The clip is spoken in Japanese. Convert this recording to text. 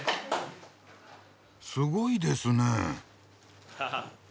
すごいですねえ。